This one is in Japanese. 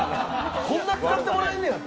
こんな使ってもらえんねやって。